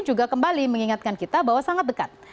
juga kembali mengingatkan kita bahwa sangat dekat